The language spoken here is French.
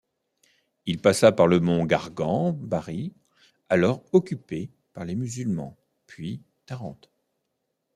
Il passa par le mont Gargan, Bari, alors occupée par les musulmans, puis Tarente.